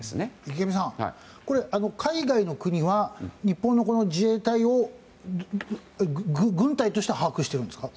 池上さん、海外の国は日本の自衛隊を軍隊として把握してるんですか？